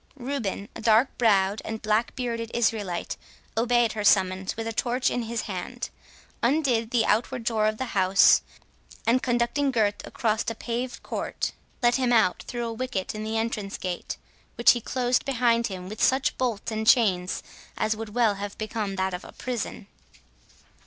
Reuben, a dark brow'd and black bearded Israelite, obeyed her summons, with a torch in his hand; undid the outward door of the house, and conducting Gurth across a paved court, let him out through a wicket in the entrance gate, which he closed behind him with such bolts and chains as would well have become that of a prison.